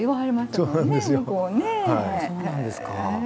そうなんですか。